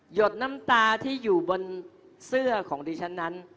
ดน้ำตาที่อยู่บนเสื้อของดิฉันนั้น